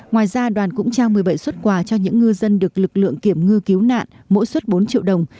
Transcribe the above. ngoài ra đoàn cũng trao một mươi bảy xuất quà cho những ngư dân được lực lượng kiểm ngư cứu nạn mỗi suất bốn triệu đồng